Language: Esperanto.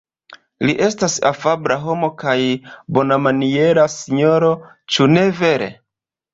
Li estas afabla homo kaj bonmaniera sinjoro, ĉu ne vere?